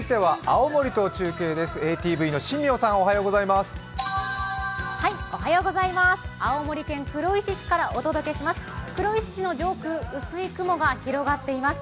青森県黒石市からお届けします。